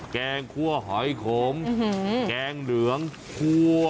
แกงคั่วหอยขมแกงเหลืองคั่ว